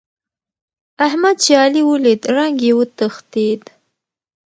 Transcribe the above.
احمد چې علي وليد؛ رنګ يې وتښتېد.